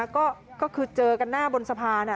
ก็คือเจอกันหน้าบนสะพาน